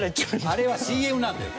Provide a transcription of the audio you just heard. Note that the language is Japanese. あれはＣＭなんだよ。